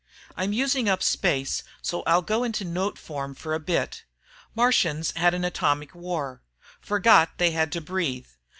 I'm using up space, so I'll go into note form for a bit. Martians had an atomic war forgot they had to breathe